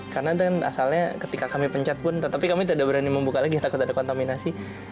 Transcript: karena asalnya ketika kami pencet pun tapi kami tidak berani membuka lagi takut ada kontaminasi